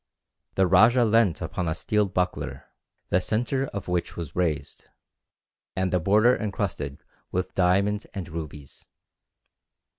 "The rajah leant upon a steel buckler, the centre of which was raised, and the border encrusted with diamonds and rubies.